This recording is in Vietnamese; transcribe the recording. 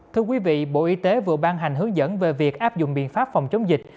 thưa quý vị bộ y tế vừa ban hành hướng dẫn về việc áp dụng biện pháp phòng chống dịch